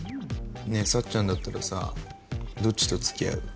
ねえさっちゃんだったらさどっちと付き合う？